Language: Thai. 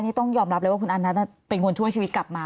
นี่ต้องยอมรับเลยว่าคุณอันนัทเป็นคนช่วยชีวิตกลับมา